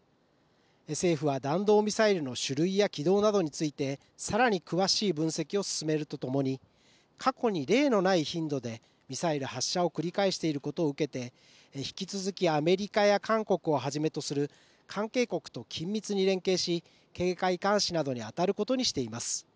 政府は弾道ミサイルの種類や軌道などについてさらに詳しい分析を進めるとともに過去に例のない頻度でミサイル発射を繰り返していることを受けて引き続きアメリカや韓国をはじめとする関係国と緊密に連携し警戒監視などにあたることにしています。